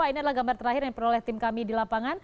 ini adalah gambar terakhir yang peroleh tim kami di lapangan